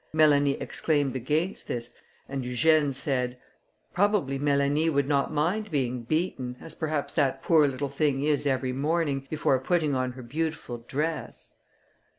Mélanie exclaimed against this, and Eugène said, "Probably Mélanie would not mind being beaten, as perhaps that poor little thing is every morning, before putting on her beautiful dress."